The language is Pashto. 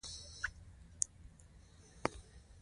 ناتوفیانو بنسټي نوښتونو ملا ور وتړله.